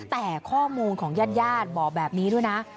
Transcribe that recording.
แต่ข้อมูลของญาติบอกแบบนี้ด้วยนะ